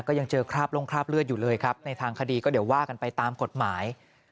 ยังเจอคราบลงคราบเลือดอยู่เลยครับในทางคดีก็เดี๋ยวว่ากันไปตามกฎหมาย